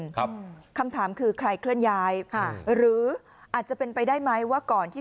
ครับคำถามคือใครเคลื่อนย้ายค่ะหรืออาจจะเป็นไปได้ไหมว่าก่อนที่